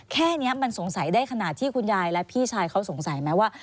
แค่นี้มันสงสัยได้ขนาดที่คุณยายและพี่ชายเขาสงสัยไหมว่า